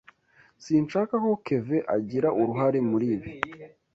Sinshaka ko Kevin agira uruhare muri ibi.